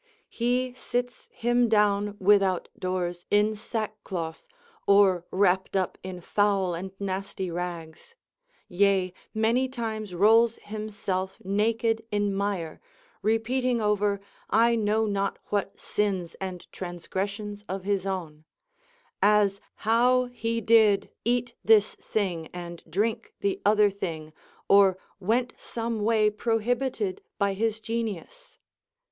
He sits him down with out doors in sackcloth, or wrapped up in foul and nasty rags ; yea, many times rolls himself naked in mire, repeat ing over I know not what sins and transgressions of his own ; as, how he did eat this thing and drink the other thing, or went some way prohibited by his Genius.